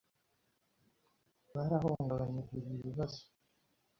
barahungabanye biba ibibazo